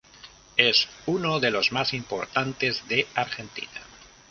Es uno de los más importantes de Argentina.